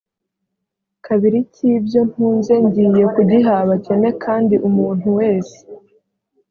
kabiri cy ibyo ntunze ngiye kugiha abakene kandi umuntu wese